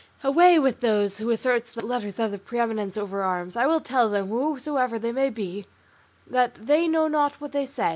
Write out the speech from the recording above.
Away with those who assert that letters have the preeminence over arms; I will tell them, whosoever they may be, that they know not what they say.